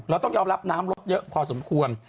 ต้องยอมรับน้ำลดเยอะพอสมควร